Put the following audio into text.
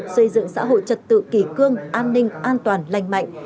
xây dựng xã hội trật tự kỳ cương an ninh an toàn lành mạnh